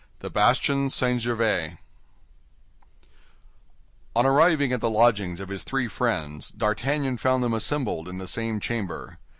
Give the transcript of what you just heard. THE BASTION SAINT GERVAIS On arriving at the lodgings of his three friends, D'Artagnan found them assembled in the same chamber.